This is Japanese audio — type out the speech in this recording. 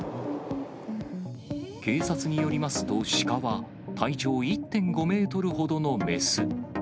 警察によりますと、鹿は、体長１．５メートルほどの雌。